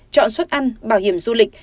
chọn xuất ăn bảo hiểm du lịch